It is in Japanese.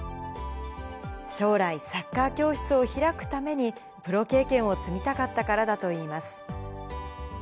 将来、サッカー教室を開くために、プロ経験を積みたかったからだといいます。